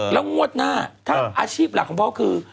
แล้วงวดหน้าถ้าอาชีพหลักของพ่อคือ